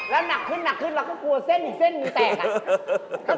แล้วหนักขึ้นเราก็กลัวเส้นอีกเส้นมีแตก